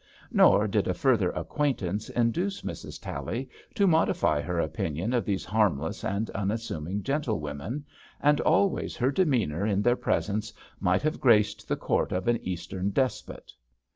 Nor did a further aquaintance induce Mrs. Tally to modify her opinion of these harmless and unassuming gentlewomen, and always her demeanour in their presence might have graced the court of an Eastern despot.